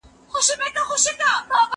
که باران وسي، زه به پاته سم!!